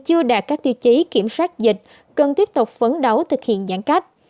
chưa đạt các tiêu chí kiểm soát dịch cần tiếp tục phấn đấu thực hiện giãn cách